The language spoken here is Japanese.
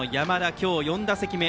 今日４打席目。